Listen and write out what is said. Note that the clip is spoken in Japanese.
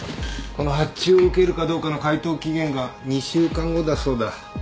この発注を受けるかどうかの回答期限が２週間後だそうだ。